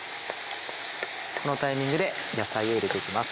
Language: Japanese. このタイミングで野菜を入れて行きます。